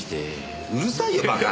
うるさいよバカ。